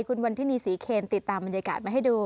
คุณวันทินีศรีเคนติดตามบรรยากาศมาให้ดู